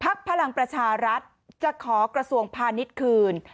พลังประชารัฐจะขอกระทรวงพาณิชย์คืน